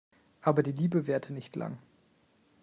Aber die Liebe währte nicht lang.